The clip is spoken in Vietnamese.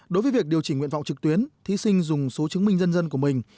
đối với việc điều chỉnh nguyện vọng trực tuyến thí sinh dùng số chứng minh dân dân của mình